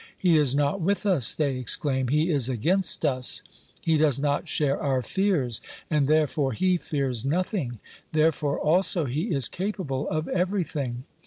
He is not with us, they exclaim, he is against us. He does not share our fears, and therefore he fears nothing ; therefore also he is capable of everything.